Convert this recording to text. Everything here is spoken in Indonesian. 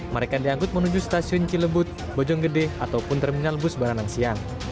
mereka dianggut menuju stasiun cilebut bojong gede ataupun terminal bus baranang siang